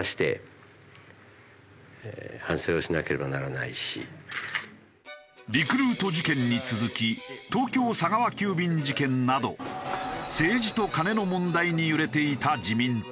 まずはリクルート事件に続き東京佐川急便事件など政治とカネの問題に揺れていた自民党。